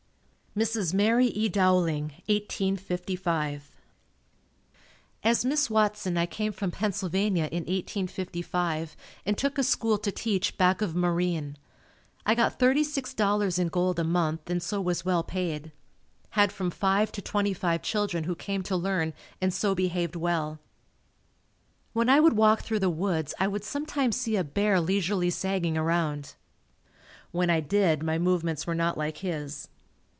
Mrs. Mary E. Dowling 1855. As Miss Watson I came from Pennsylvania in 1855 and took a school to teach back of Marine. I got $36.00 in gold a month and so was well paid. Had from five to twenty five children who came to learn and so behaved well. When I would walk through the woods I would sometimes see a bear leisurely sagging around. When I did, my movements were not like his.